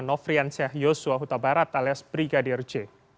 nofrian syahyos wahuta barat alias brigadier j